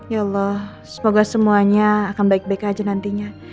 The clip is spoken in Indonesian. ya allah semoga semuanya akan baik baik aja nantinya